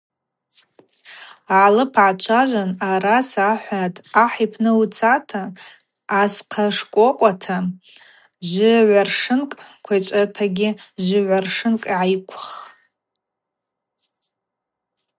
Алып гӏачважван, араса ахӏватӏ: – Ахӏ йпны уцата асхъа шкӏвокӏвата жвыгӏваршынкӏ, квайчӏватагьи жвыгӏваршынкӏ гӏайыквх.